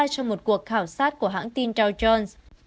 trong một cuộc khảo sát của hãng tin dow jones